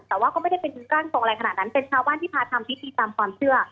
แต่ว่าก็ไม่ได้เป็นร่างทรงอะไรขนาดนั้นเป็นชาวบ้านที่พาทำพิธีตามความเชื่อ